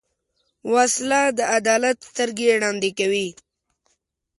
وسله د عدالت سترګې ړندې کوي